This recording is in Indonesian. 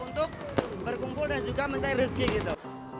untuk berkumpul dan juga mencari rezeki gitu